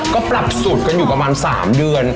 ก็ปรับสูตรกันอยู่ประมาณ๓เดือน